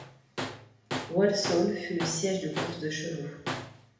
Walsall fut le siège de courses de chevaux.